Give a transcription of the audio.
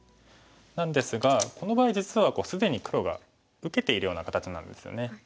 なんですがこの場合実は既に黒が受けているような形なんですよね。